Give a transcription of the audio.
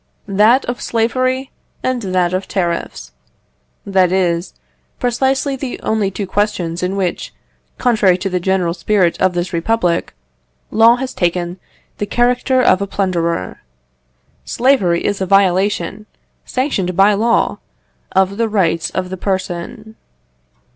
That of slavery and that of tariffs; that is, precisely the only two questions in which, contrary to the general spirit of this republic, law has taken the character of a plunderer. Slavery is a violation, sanctioned by law, of the rights of the person.